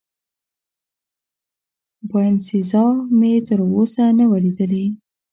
باینسیزا مې تراوسه نه وه لیدلې.